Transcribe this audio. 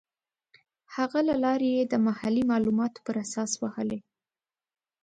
هغه لیارې یې د محلي معلوماتو پر اساس وهلې.